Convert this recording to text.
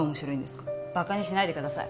バカにしないでください。